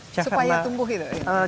supaya tumbuh itu